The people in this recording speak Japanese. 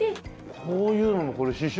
こういうのもこれ刺繍するの？